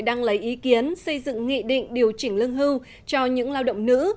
đang lấy ý kiến xây dựng nghị định điều chỉnh lương hưu cho những lao động nữ